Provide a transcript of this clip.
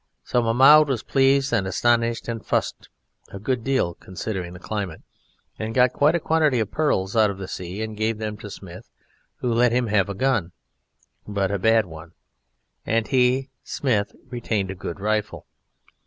So Mahmoud was pleased and astonished, and fussed a good deal considering the climate, and got quite a quantity of pearls out of the sea, and gave them to Smith, who let him have a gun, but a bad one; and he, Smith, retained a good rifle.